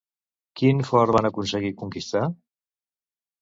Quin fort van aconseguir conquistar?